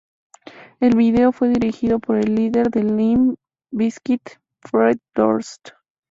El video fue dirigido por el líder de Limp Bizkit, Fred Durst.